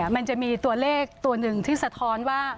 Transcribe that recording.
มันจะมีตัวเลขตัวหนึ่งที่สะท้อนว่า